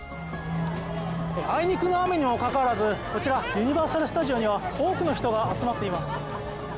あいにくの雨にもかかわらず、こちら、ユニバーサル・スタジオには多くの人が集まっています。